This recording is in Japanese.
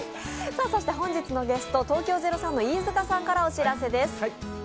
そして本日のゲスト東京０３の飯塚さんからお知らせです。